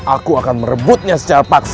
aku akan merebutnya secara paksa